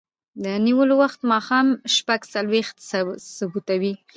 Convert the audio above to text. د نیولو وخت ماښام شپږ څلویښت ثبتوي.